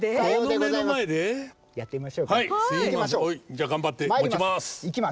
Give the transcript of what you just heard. じゃあ頑張って持ちます。